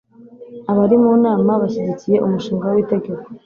Abari mu nama bashyigikiye umushinga witegeko